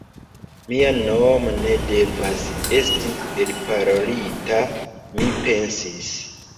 Mia nomo ne devas esti elparolita, mi pensis.